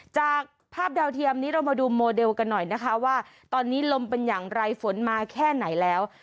จากภาพดาวเทียมนี้เรามาดูโมเดลกันหน่อยนะคะว่าตอนนี้ลมเป็นอย่างไรฝนมาแค่ไหนแล้ว